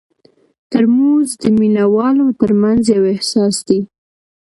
ترموز د مینه والو ترمنځ یو احساس دی.